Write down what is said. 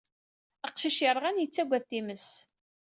Aqcic yerɣan yettttagad times.